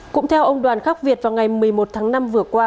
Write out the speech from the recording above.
cũng theo ông đoàn khắc việt vào ngày một mươi một tháng năm vừa qua